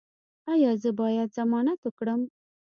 ایا زه باید ضمانت وکړم؟